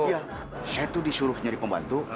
iya saya tuh disuruh nyari pembantu